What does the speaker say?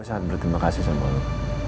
gue sangat berterima kasih sama lo